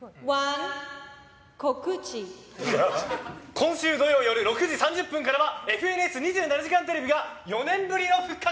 今週土曜夜６時３０分からは「ＦＮＳ２７時間テレビ」が４年ぶりの復活。